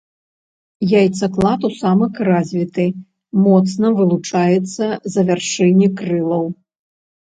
Яйцаклад у самак развіты, моцна вылучаецца за вяршыні крылаў.